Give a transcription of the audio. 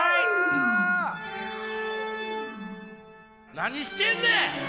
何してんねん！